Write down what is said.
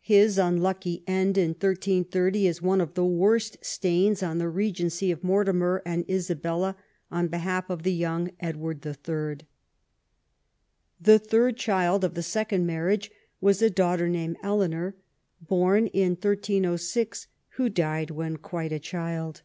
His unlucky end in 1330 is one of the worst stains on the regency of Mortimer and Isabella on behalf of the young Edward III. The third child of the second marriage was a daughter named Eleanor, born in 1306, who died when quite a child.